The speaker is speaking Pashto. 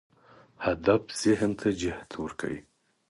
هدف ذهن ته جهت ورکوي.